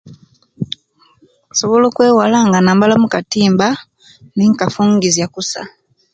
Nsobola okwewala nga inabaala omukatimba nikafungizya kusa.